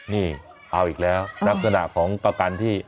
นี่เอาอีกแล้วลักษณะของประกันที่